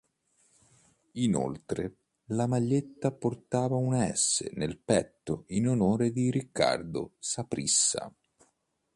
Inoltre la maglietta portava una "S" nel petto in onore di Ricardo Saprissa.